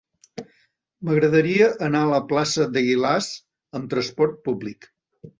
M'agradaria anar a la plaça d'Eguilaz amb trasport públic.